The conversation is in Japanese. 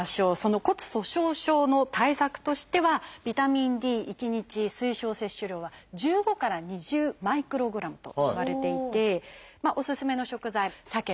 骨粗しょう症の対策としてはビタミンＤ１日推奨摂取量は１５から２０マイクログラムといわれていておすすめの食材さけとか